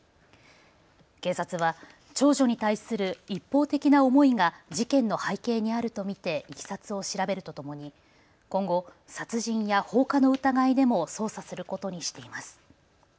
警察は長女に対する一方的な思いが事件の背景にあると見ていきさつを調べるとともに今後、殺人や放火の疑いでも捜査することにしています。